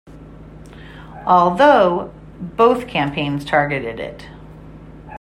Although, both campaigns targeted it.